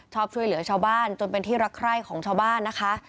ช่วยเหลือชาวบ้านจนเป็นที่รักใคร่ของชาวบ้านนะคะ